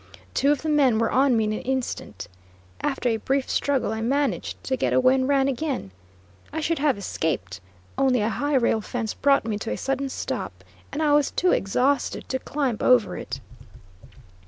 Two of the men were on me in an instant. After a brief struggle I managed to get away and ran again. I should have escaped, only a high rail fence brought me to a sudden stop, and I was too exhausted to climb over it.